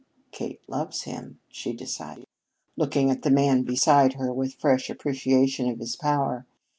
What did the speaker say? "Kate loves him," she decided, looking at the man beside her with fresh appreciation of his power.